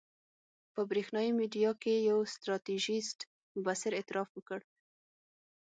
په برېښنایي میډیا کې یو ستراتیژیست مبصر اعتراف وکړ.